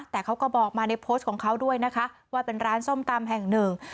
แต่เขาก็บอกมาในโพสต์ของเขาด้วยนะคะว่าเป็นร้านส้มตำแห่งหนึ่ง